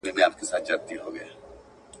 نامتو څېړونکي په شعر کې ځواب ورکړی دی.